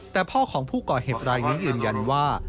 แต่เป้าของภูกรเหตุรายนี้อืนยันว่า